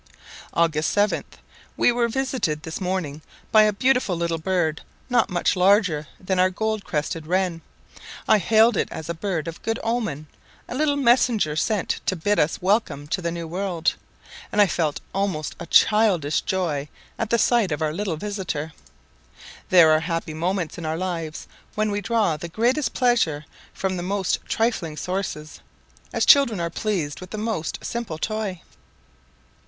August 7. We were visited this morning by a beautiful little bird, not much larger than our gold crested wren. I hailed it as a bird of good omen a little messenger sent to bid us welcome to the New World, and I felt almost a childish joy at the sight of our little visitor. There are happy moments in our lives when we draw the greatest pleasure from the most trifling sources, as children are pleased with the most simple toy.